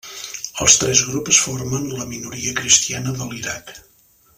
Els tres grups formen la minoria cristiana de l'Iraq.